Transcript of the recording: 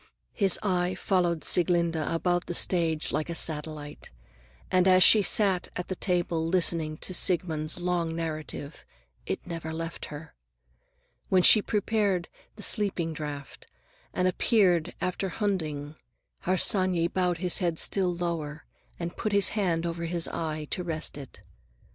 His eye followed Sieglinde about the stage like a satellite, and as she sat at the table listening to Siegmund's long narrative, it never left her. When she prepared the sleeping draught and disappeared after Hunding, Harsanyi bowed his head still lower and put his hand over his eye to rest it.